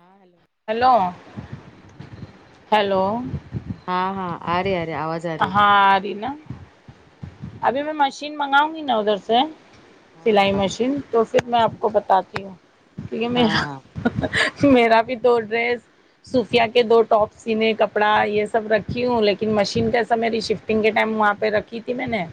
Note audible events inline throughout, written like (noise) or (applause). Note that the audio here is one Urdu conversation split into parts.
ہاں ہیلو ہیلو ہاں ہیلو ہاں ہاں ارے رے آواز آ رہی ہاں اری نا ہاں ابھی میں مشین منگاؤں گی نا ادھر سے سلائی ہاں مشین تو پھر میں آپ اچھا کو بتاتی ہوں تو یہ میرا ہاں ہاں میرا بھی دو ڈریس صوفیا کے دو ٹاپ سینے کپڑا یہ سب رکھی ہوں لیکن مشین کا میری شفٹنگ کے ٹائم وہاں پہ رکھی تھی میں نے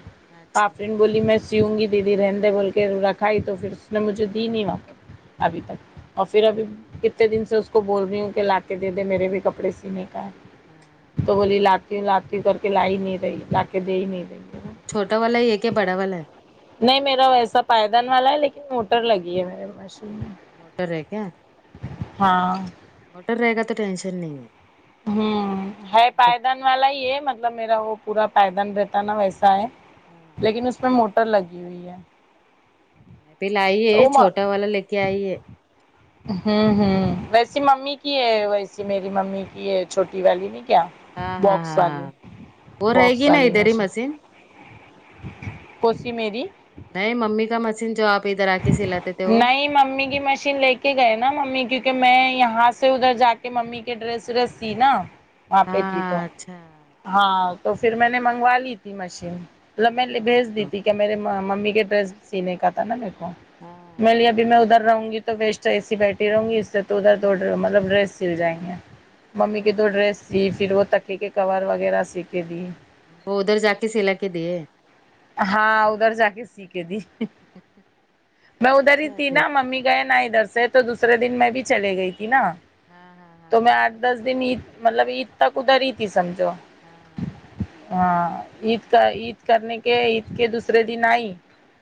اچھا افرین بولی میں سیوں گی دیدی رہندے بول کے رکھائی تو پھر اس نے مجھے دی نہیں وہاں ابھی تک اور پھر ابھی کتنے دن سے اس کو بول رہی ہوں کہ لا کے دے دے میرے بھی کپڑے نے کہا ہاں تو بولی لاتی ہوں لاتی ہوں کر کے لا ہی نہیں رہی لا کے دے ہی نہیں رہی چھوٹا والا ہی ہے کہ بڑا والا ہے نہیں میرا ویسا پائیدان والا ہے لیکن موٹر لگی ہے میرے مشین میں موٹر ہے کیا ہاں موٹر رے گا تو ٹینشن نہیں ہے ہوں ہے فٹافٹ پائدان والا ہی یہ مطلب میرا وہ پورا پائدان رہتا ہے نا ویسا ہے ہاں لیکن اس میں موٹر لگی ہوئی ہے ابھی لائی ہے وہ چھوٹا والا لے کے آئیے ہوں ہوں ویسی ممی کی ہے ویسی میری ممی کی ہے چھوٹی والی نے کیا ہاں ہاں بکس ہاں والی ہاں وہ رہے بکس گی نا والی ادھر ہی میںش مشین کونسی میری نہیں ممی کا مشین جو آپ ادھر آ کے سلاتے تھے وہ نہیں ممی کی مشین لے کے گئے نا ممی کیونکہ میں یہاں سے ادھر جا کے ممی کے ڈریس ورس سی نا وہاں پہ تھی تو ہاں اچھا ہاں تو پھر میں نے منگوا لی تھی مشین ملب ہاں میں ہاں بھیج دی ہاں تھی کیا میرے ممی کے ڈریس سینے کا تھا نا ہاں می لی ابھی میں ادھر رہوں گی تو ویسٹ ایسی بیٹھی رہوں گی اس سے تو ادھر تو ار مطلب ڈریس سل جائیں گے ممی کی تو دو ڈریس سی پھر وہ تکے کے کور وغیرہ سیکھے دی وہ ادھر جا کے سلا کے دے ہاں ادھر جا کے س کے دی میں ادھر ہی اچھا تھی پھر نا ممی گئے نا ادھر سے تو دوسرے دن میں بھی چلے گئی تھی نا ہاں تو ہاں میں آٹھ دس دن عید مطلب عید تک ادھر ہی تھی سمجھو ہاں ہاں ہاں ہاں ہاں عید کا عید کرنے کے عید کے دوسرے دن آئی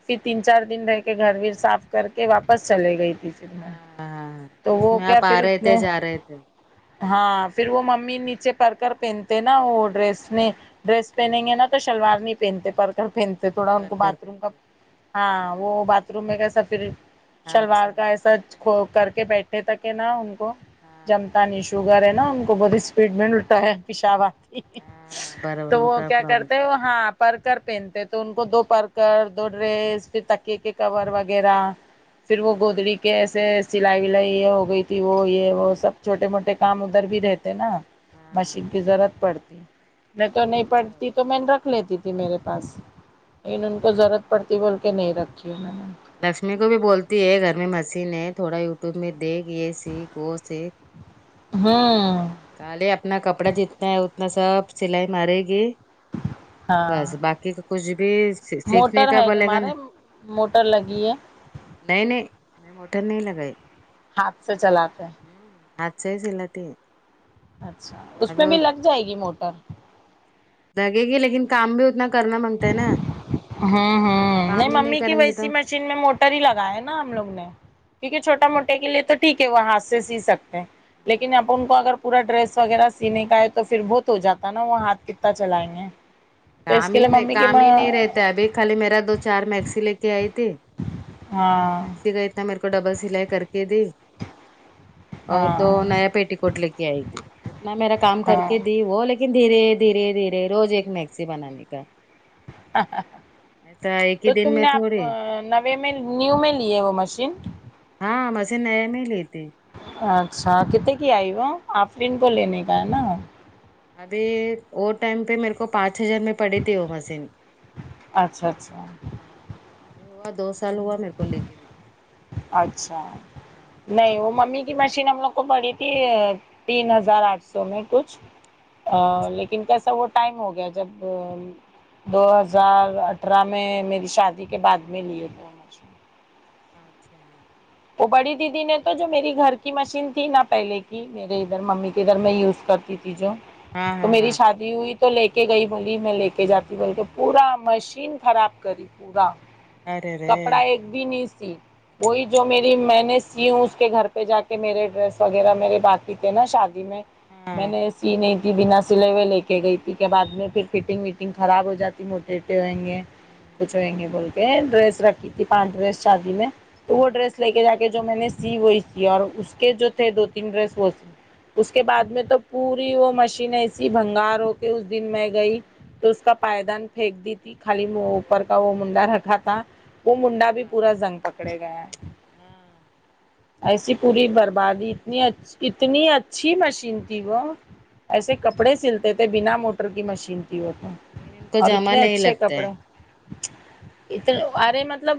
پھر تین چار دن رہ کے گھر ویر صاف کر کے واپس چلے گئی تھی پھر میں ہاں ہاں ہاں تو بیچ وہ میں کیا آپ آ پھر رہے تھے اتنے جا رہے تھے ہاں پھر وہ ممیمی نیچے پڑ کر پہنتے نا وہ ڈریس نے ڈریس پہنیں گے نا تو شلوار نہیں پہنتے پر پھینتے تھوڑا ان کال کو باتھ کرتے روم کا تھے ہاں وہ باتھ روم میں کیسا پھر اچھا شلوار کا ایسا کھ کر کے بیٹھے تھا کہ نا ان کو ہاں جم ہاں تا شوگر ہے نا ان کو بت اسپیڈ میں لوٹتا ہاں ہے پیشاب آتی ہے ہاں بارہ تو وہ کا کیا پرابلم کرتے ہیں ہو ہاں پرکر پہنتے تو ان کو دو پرکر دو ڈریس پھر تکیے کے کور وغیرہ پھر وہ گودڑی کے ایسے سلائی ولائی یہ ہو گئی تھی وہ یہ وہ سب چھوٹے موٹے کام ادھر بھی رہتے نا مشین ہاں کی ضرورت پڑتی نہیں تو نہیں اچھا ہو پڑتی گیا تو میں رکھ لیتی تھی میرے پاس لیکن ان کو نہیں ضرورت پڑتی بول کے نہیں رکھتی ہوں میں لکشمی کو بھی بولتی ہے گھر میں مشین ہے تھوڑا یوٹیوب میں دیکھ یہ سیکھ وہ سیکھ ہوں خالی اپنا کپڑا جتنا ہے اتنا سب سلائی مارے گی بس ہاں باقی کا کچھ بھی سیکھنے موٹر کا ہے بولے گا نا تمہارے موٹر لگی ہے نہیں نہیں نہیں موٹر نہیں لگائی ہاتھ سے چلاتے ہیں امم ہاتھ سے ہی چلاتی ہو اچھا اس میں بھی لگ جائے گی موٹر دگے گی لیکن کام بھی اتنا کرنا مانگتا ہے نا ہمم ہمم نہیں کام ہی ممی کی کریں گے تو ویسی مشین میں موٹر ہی لگاںے نا ہم لوگ نے کیونکہ چھوٹا موٹے کے لیے تو ٹھیک ہے وہ ہاتھ سے سی سکتے ہیں لیکن اپن کو اگر پورا ڈریس وغیرہ سینے کا ہے تو پھر بہت ہو جاتا نا وہ ہاتھ کتتا چلائیں گے تو اس کام کے لیے ہی ممی کی کام میں ہی نہیں رہتا ابھی خالی میرا دو چار میکسی لے کے آئی تھی ہاں میکسی رہتے میرے کو ڈبل سلائی کر کے دی اور تو ہاں نیا پیٹی کوٹ لے کے آئی تھی اتنا میرا کام کر ہاں کے وہ لیکن دھیرے دھیرے دھیرے روز ایک میکسی بنانےکا تو دن تم میں نے آپ تھوڑے نوے میں نیو میں لی ہے وہ مشین ہاں مشین نئے میں ہی لیےتھے اچھا کتنے کی آئی وہ آفرین کو لینے کا ہے نا ابھی وہ ٹائم پہ میرے کو پانچ ہزار میں پڑھی تھی وہ مشین اچھا اچھا ہاں ابھی ہوا دو سال ہوا میرے کو لے کے بھی اچھا ہاں نہیں وہ ممی کی مشین ہم لوگ کو پڑی تھی تین ہزار آٹھ سو میں کچھ لیکن کیسا وہ ٹائم ہو گیا جب دو ہزار اٹھھرہ میں میری شادی کے بعد میں لیے تھے وہ مشین اچھا وہ بڑی دیدی نے تو جو میری گھر کی مشین تھی نا پہلے کی میرے ادھر ممی کے گھر میں یوز کرتی تھی تھی جو ہاں تو ہاں میری ہاں شادی ہوئی تو لے کے گئی بولی میں لے کے جاتی بول کے پورا مشین خراب کری پورا ارے رے کپڑا ایک بھی نہیں سی وہی جو میری میں نے سی ہوں اس کے گھر پہ جا کے میرے ڈریس وغیرہ میرے باقی تھے نا شادی میں میں ہاں نے سی نہیں تھی بنا سلے ہوئے لے کے گئی تھی کہ بعد میں پھر فٹنگ وٹنگ خراب ہو جاتی موٹر بیٹے ہوئیں گے کچھ ہوئیں گے بول کے ڈریس رکھی تھی پانچ ڈریس شادی میں تو وہ ہاں ڈریس لے کے جا کے جو میں نے سی وہی سیے اور اس کے جو تھے دو تین ڈریس وہ سی اس کے بعد میں تو پوری وہ مشین ایسی بھنگار ہو کے اس دن میں گئی تو اس کا پائیدان پھینک دی تھی خالی اوپر کا وہ منڈا رکھا تھا وہ منڈا ارے بھی باپ پورا رے زنگ پکڑے گیا ہے ہاں ایسی پوری بربادی اتنی اتنی اچھی مشین تھی وہ ایسے کپڑے سلتے تھے بنا موٹر کی مشین تھی وہ تو لیکن ان کو اور جمع اتنے نہیں اچھے لگتے ہیں کپڑے اتنے ارے مطلب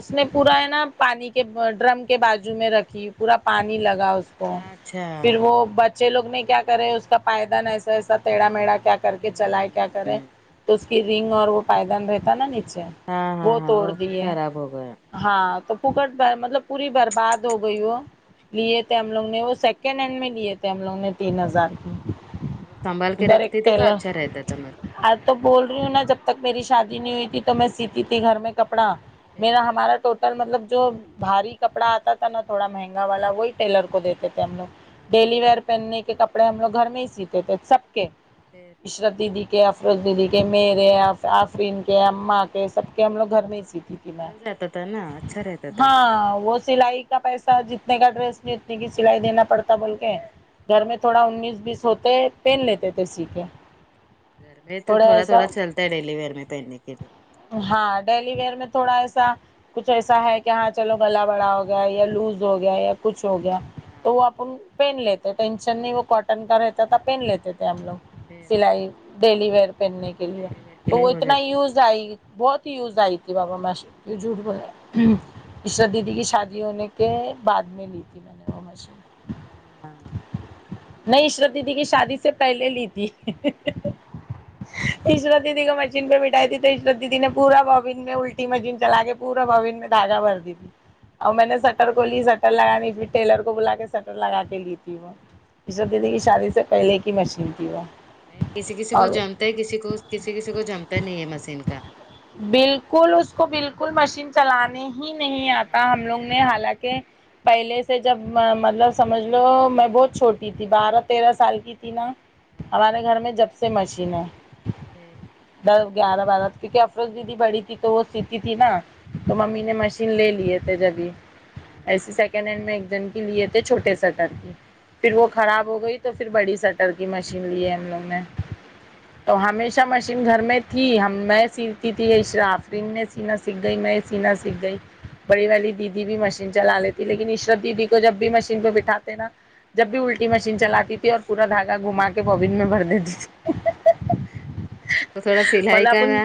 اس نے پورا ہے نا پانی کے ڈرم کے بازو میں رکھی پورا پانی لگا اس کو اچھا پھر وہ بچے لوگ نے کیا کرے اس کا پائدان ایسا ایسا تیڑھا میڑھا کیا کر کے چلائے کیا کرے ہوں تو اس کی رنگ اور وہ پائیدان رہتا نا نیچے ہاں وہ ہاں ہاں توڑ دی ہے خراب ہو گیا ہاں تو پھوکٹ کا مطلب پوری برباد ہو گئی وہ لیے تھے ہم لوگ نے وہ سیکنڈ ہینڈ میں لیے تھے ہم لوگ نے تین ہزار کی سنبھال کے رکھتے تھے تو اچھا رہتا تھا مش ار تو بول رہی ہوں نا جب تک میری شادی نہیں ہوئی تھی تو میں سیتی تھی گھر میں کپڑا پھر میرا ہمارا تو مطلب جو بھاری کپڑا آتا تھا نا تھوڑا مہنگا والا وہی ٹیلر کو دیتے تھے ہم لوگ ہاں ڈیلی ہاں ویئر پہننے کے کپڑے ہم لوگ گھر میں ہی سیتے تھے سب کے پھر عشرت دیدی کے افروز دیدی کے میرے آفرین کے اماں کے سب کے ہم لوگ گھر میں ہی سیتی تھی میں چل جاتا تھا نا اچھا رہتا تھا ہاں وہ سی سلائی کا پیسہ جتنے کا ڈریس لیں اتنے کی سلائی دینا پڑتا بول کے گھر میں تھوڑا انیس بیس ہوتے پہن لیتے تھے سی کے گھر میں تو تھوڑا تھوڑا چلتا ہے ڈیلی ویئر میں پہننے کے لیے ہاں ڈیلی ویئر میں تھوڑا ایسا کچھ ایسا ہے کہ ہاں چلو گلا بڑا ہو گیا ہے یا لوز ہو گیا یا کچھ ہو گیا تو وہ ہاں اب ان پہن لیتے تو ٹینشن نہیں وہ کاٹن کا رہتا تھا پہن لیتے تھے ہم لوگ پھر سلائی ڈیلی ویئر پہننے کے لیا ڈیلی ویئر کے تو لیے وہ ہو اتنا جاتا یوز آئی بہت ہی یوز آئی تھی بابا مشی جھوٹ ہاں بولے عشرت دیدی کی شادی ہونے کے بعد میں لی تھی میں نے وہ مشین ہاں نہیں عشرت دیدی کی شادی سے پہلے لی تھی عشرت اچھا دیدی کا مش مشین پہ بٹھائی تھی تو عشرت دیدی نے پورا بابن میں الٹی مشین چلا کے پورا بابن میں دھاگہ بھر دی تھی اور میں نے شٹر کو لی شٹر لگا نہیں پھر ٹیلر کو بلا کے شٹر لگا کے لی تھی وہ عشرت دیدی کی شادی سے پہلے کی مشین تھی وہ کسی کسی کو اور جمتا ہے کسی کو کسی کسی کو جمتا نہیں ہے مشین کا بالکل اس کو بالکل مشین چلانے ہی نہیں آتا ہم لوگ ہاں نے حالانکہ پہلے سے جب مطلب سمجھ لو میں بہت چھوٹی تھی بارہ تیرہ سال کی تھی نا ہاں ہمارے گھر میں جب سے مشین ہے پھر دس گیارہ بارہ کیونکہ افروز دیدی بڑی تھی تو وہ سیتی تھی نا تو ممی نے مش ین لے لیے تھے جبھی ایسے ہاں سیکنڈ ہینڈ میں ایک جن کی لیے تھے چھوٹے شٹر کی پھر وہ ہاں خراب ہو گئی تو پھر بڑی شٹر کی مشین لی ہے ہم لوگ نے تو نہیں ہمیشہ مشین گھر میں تھی ہم میں سیتی تھی یہ عشرا آفرین نے سینا سیکھ گئی میں سینا سیکھ گئی بڑی والی دیدی بھی مشین چلا لیتی لیکن عشرت دیدی کو جب بھی مشین پہ بٹھاتے نا جب بھی الٹی مشین چلاتی تھی اور پورا دھاگا گھما کے بابن میں بھر دیتی تھی تو تھوڑا سلائی بلا کا اپن نہ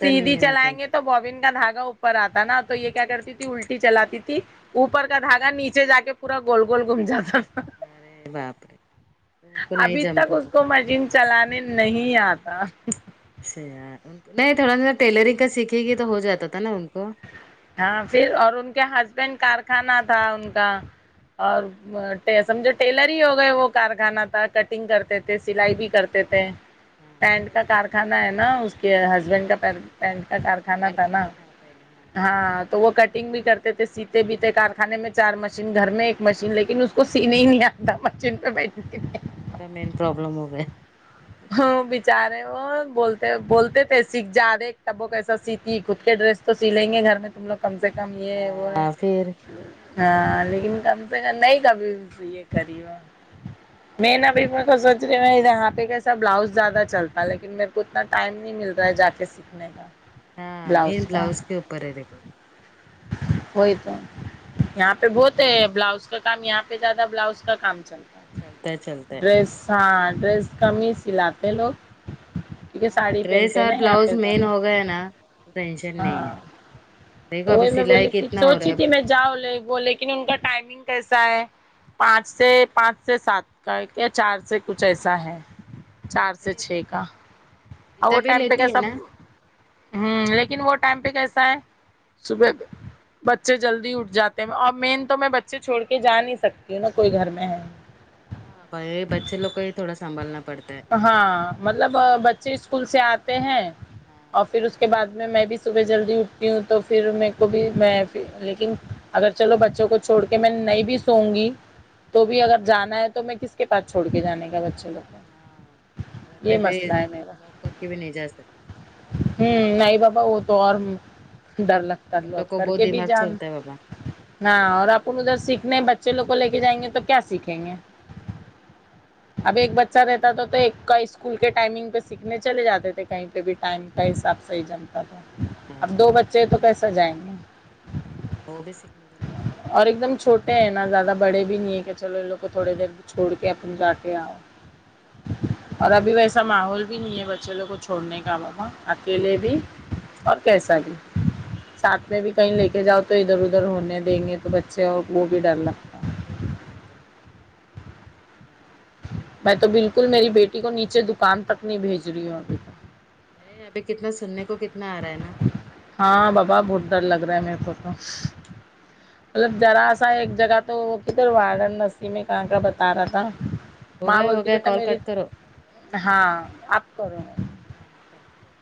سیدھی چلائیں گے تو بابن کا دھاگا اوپر آتا نا تو یہ کیا کرتی تھی الٹی چلاتی تھی اوپر کا دھاگا نیچے جا کے پورا گول گول گھوم جاتا تھ ارے باپ رے تو ان کو نہیں ابھی تک جمتا اس تھا کو مشین چلانے نہیں آتا ایسے یار ان کو نہیں تھوڑا سا ٹیلرنگ کا سیکھے گی تو ہو جاتا تھا نا ان کو ہاں پھر اور ان کے ہسبینڈ کارخانہ تھا ان کا اور ہاں وہ ٹے سمجھو ٹیلر ہی ہو گئے وہ کارخانہ تھا کٹنگ کرتے تھے سلائی بھی کرتے تھے ہاں پینٹ پھر کا کارخانہ ہے نا اس کے ہسبینڈ کا پین پینٹ کا کار کارخانہ تھا پہلے ہاں ہاں تو وہ کٹنگ بھی کرتے تھے سیتے بھی تھے کارخانے میں چار مشین گھر میں ایک مشین لیکن اس کچھ سینے ہی نہیں اتا مشین پہ بیٹ کے ہاں ان کا مین پروابلم ہو گیے (unintelligible) چارے وہ بولتے بولتے تھے سیکھ جا رہے تبو کیسا سیتی خود کے ڈریس تو سیلینگے گھر میں تم لوگ کم سے کم یہ ہے وہ ہے ہاں پھر ہاں لیکن کم سے کم نہیں کبھی یہ کری ہو میں نہ (unintelligible) سا بلاؤز زیادہ چلتا ہے لیکن میرے کو اتنا ٹائم نہیں مل رہا ہے جا کے سیکھنے کا ہاں بلاؤز مین کا کے اوپر ہے دیکھو وہی تو یہاں پہ بہت ہے بلاؤز کا کام یہاں پہ زیادہ بلاؤز کا کام چلتا چلتا ہے چلتا ہے ڈس ہاں ڈریس کم ہی سلاتے لوگ کیونکہ ہاں ساڑی ڈریس پہنتے ہیں اور نا یہاں بلاؤز پہ مین زیادہ ہو گیا نا تو ٹینشن نہیں ہے ہاں دیکھو ابھی سلائی کتنا ہو رہا ہے جا وہ لیکن ان کا ٹائمنگ کیسا ہے پانچ سے پانچ سے سات کا یا چار سے کچھ ایسا ہے چار سے نہیں چھ کا اور گیتا وہ بھی ٹٹیم پہ کیا لیتی ہے سب نا ہوں لیکن وہ ٹائم پہ کیسا ہے صبح کو بچے جلدی اٹھ جاتے ہیں اور میں تو میں بچے چھوڑ کے جا نہیں سکتی ہوں نا کوئی گھر میں ہے ہاں پر یہ بچے لوگ کو ہی تھوڑا سنبھالنا پڑتا ہے ہاں مطلب بچے اسکول سے آتے ہیں اور ہاں پھر اس کے بعد میں میں بھی صبح جلدی اٹھتی ہوں تو پھر میرے کو بھی میں بھی لیکن اگر چلو بچوں کو چھوڑ کے میں نہیں بھی سووں گی تو بھی ہاں اگر جانا ہے تو میں کس کے پاس چھوڑ کے جانے کا بچے لو ہاں گھر پہ یہ بھی مسئلہ ہے میرا (unintelligible) ہمم نہیں بابا وہ تو اور ڈر لگ تا ان لوگ کو کر بہت کے بھی دماغ جان چلتا ہے بابا نا اکیلے اور چھوڑیں اپن گے ادھر سیکھنے با چےلوگ کو لے کے جائیں گے تو کیا سیکھیں گے نہیں نہیں وہ بھی اب ایک ڈسٹرب بچہ کر رہتا تھا تو ایک کا اس اسکول کے ٹائمنگ پہ سیکھنے چلے جاتے تھے کہیں پہ بھی ٹائم کا حساب سے ہی ہاں اب دو بچے تو کیسا جائیں گے (unintelligible) اور ایک دم چھوٹے ہیں نا زیادہ بڑے بھی نہیں ہیں کہ چلو ان لوگ کو تھوڑے دیر چھوڑ کے اپن جا کے آؤ ہے نا اور ابھی ویسے بھی ویسا ماحول بھی نہیں ہے بچے لوگ کو چھوڑنے کا ہاں اکیلے بھی اور کیسا بھی ساتھ میں بھی کہیں لے کے جاؤ تو ادھر ادھر ہونے دیں گے تو بچے اور وہ بھی ڈر لگ دیکھنا پڑتے ہاں میں تو بالکل میری بیٹی کو نیچے دکان تک نہیں بھیج رہی ہوں تک۔ نہیں ابھی کتنا سننے کو کتنا آ رہا ہے نا ہاں بابا بہت ڈر لگ رہا ہے میرے کو تو مطلب جذرا سا ایک جگہ تو کدھر وارانسی میں کہاں کا بتا رہا تھا ہو ماں گیا ہو بولتی گیا بیٹا کال میری کٹ کرو ہاں آپ کروں ہاں ہاں (unintelligible)